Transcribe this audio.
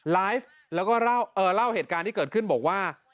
ไลฟ์แล้วก็เล่าเหตุการณ์ที่เกิดขึ้นบอกว่า